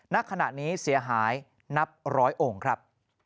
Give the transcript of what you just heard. ณขณะนี้เสียหายนับร้อยองค์ครับ